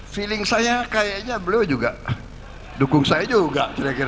feeling saya kayaknya beliau juga dukung saya juga